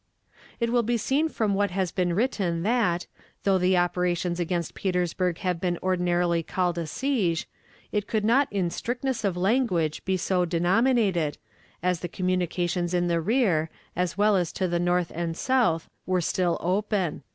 It will be seen from what has been written that, though the operations against Petersburg have been ordinarily called a siege, it could not in strictness of language be so denominated, as the communications in the rear, as well as to the north and south, were still open.